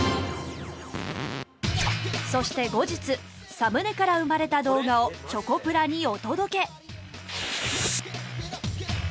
そして後日サムネから生まれた動画をチョコプラにお届け